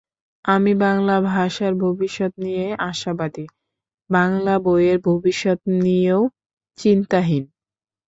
আমি বাংলা ভাষার ভবিষ্যৎ নিয়ে আশাবাদী, বাংলা বইয়ের ভবিষ্যৎ নিয়েও চিন্তাহীন।